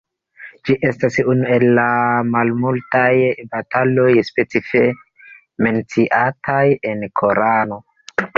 Ĝi estas unu el la malmultaj bataloj specife menciataj en Korano.